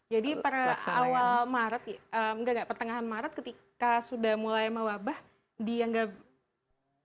jadi awal maret enggak enggak pertengahan maret ketika sudah mulai mewabah dia enggak